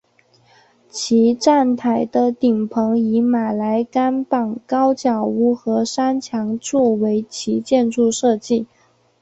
其站台的顶棚以马来甘榜高脚屋和山墙作为其建筑设计。